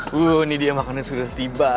wuh ini dia makannya sudah tiba